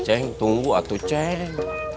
ceng tunggu atu ceng